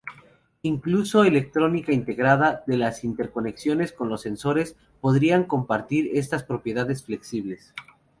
Incluso electrónica integrada, de las interconexiones con los sensores, podrían compartir estas propiedades flexibles.